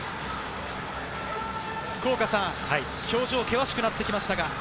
福岡さん、表情険しくなってきましたが。